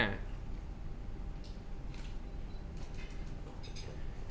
สิ่งที่เป็นสิทธิของเขา